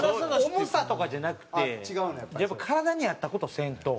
重さとかじゃなくてやっぱ体に合った事せんと。